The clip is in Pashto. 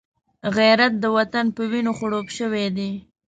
غیرت د وطن په وینو خړوب شوی دی